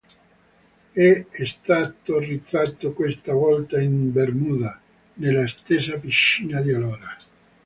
È stato ritratto, questa volta in bermuda, nella stessa piscina di allora.